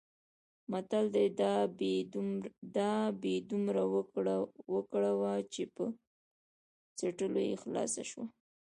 متل دی: د ابۍ دومره وګره وه چې په څټلو کې خلاصه شوه.